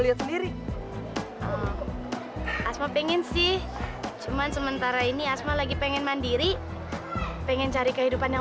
lihat sendiri asma pengen sih cuman sementara ini asma lagi pengen mandiri pengen cari kehidupan yang